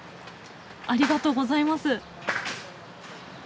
ありがとうございます。